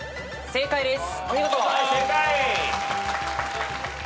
正解です。